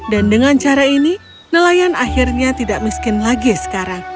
dan dengan cara ini nelayan akhirnya tidak miskin lagi sekarang